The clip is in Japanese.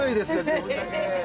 自分だけ。